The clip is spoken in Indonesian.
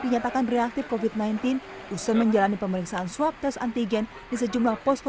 dinyatakan reaktif covid sembilan belas usai menjalani pemeriksaan swab tes antigen di sejumlah posko